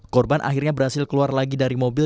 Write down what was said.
korban akhirnya berhasil keluar lagi dari mobil